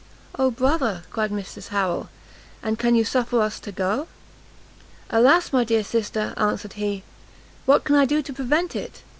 "Oh brother!" cried Mrs Harrel, "and can you suffer us to go?" "Alas, my dear sister," answered he, "what can I do to prevent it?